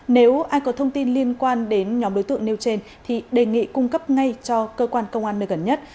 nếu ai có thông tin liên quan đến nhóm đối tượng nêu trên thì đề nghị cung cấp ngay cho cơ quan công an nơi gần nhất